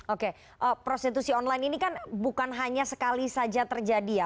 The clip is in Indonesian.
oke prostitusi online ini kan bukan hanya sekali saja terjadi ya